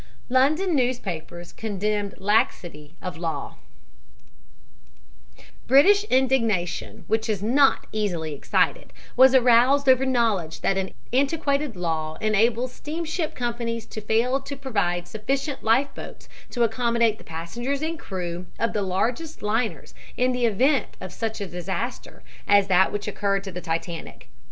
LONDON NEWSPAPERS CONDEMN LAXITY OF LAW British indignation, which is not easily excited, was aroused over the knowledge that an antiquated law enables steamship companies to fail to provide sufficient life boats to accommodate the passengers and crew of the largest liners in the event of such a disaster as that which occurred to the Titanic.